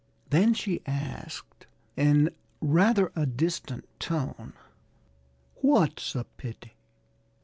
Then she asked in rather a distant tone, "What's a pity?"